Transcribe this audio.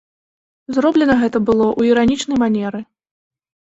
Зроблена гэта было ў іранічнай манеры.